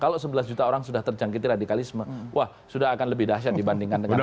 kalau sebelas juta orang sudah terjangkiti radikalisme wah sudah akan lebih dahsyat dibandingkan dengan kita